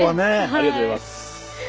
ありがとうございます。